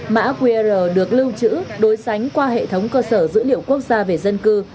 mã qr được lưu trữ đối sánh qua hệ thống cơ sở dữ liệu quốc gia về dân cư